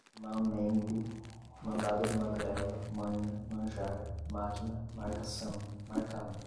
mambembe, mandada de magrela, manha, manjar, máquina, marcação, marcada